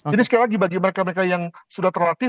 jadi sekali lagi bagi mereka mereka yang sudah terlatih